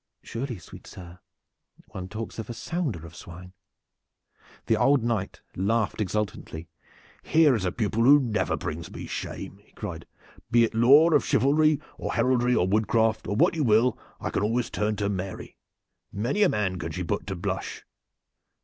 "Surely, sweet sir, one talks of a sounder of swine." The old Knight laughed exultantly. "Here is a pupil who never brings me shame!" he cried. "Be it lore of chivalry or heraldry or woodcraft or what you will, I can always turn to Mary. Many a man can she put to the blush."